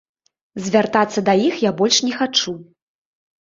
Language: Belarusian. Звяртацца да іх я больш не хачу.